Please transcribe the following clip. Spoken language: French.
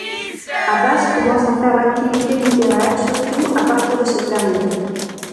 Abbas commence à faire l’activité littéraire surtout, à partir de cette période.